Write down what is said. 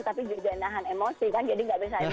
tapi juga jenahan emosi kan jadi gak bisa emosi